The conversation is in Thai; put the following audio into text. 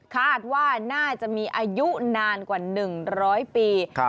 คาดว่าน่าจะมีอายุนานกว่า๑๐๐ปี